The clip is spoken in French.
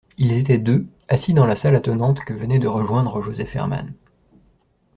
Ils étaient deux, assis dans la salle attenante que venait de rejoindre Joseph Herman.